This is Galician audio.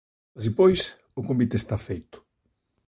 Así pois, o convite está feito.